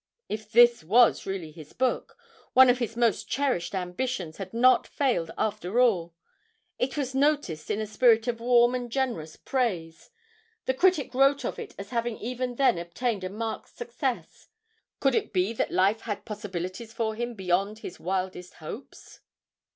If this was really his book, one of his most cherished ambitions had not failed after all; it was noticed in a spirit of warm and generous praise, the critic wrote of it as having even then obtained a marked success could it be that life had possibilities for him beyond his wildest hopes?